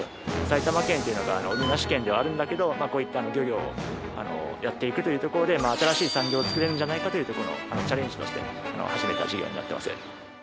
埼玉県っていうのが海なし県ではあるんだけどこういった漁業をやっていくというところで新しい産業を作れるんじゃないかというとこのチャレンジとして始めた事業になってます。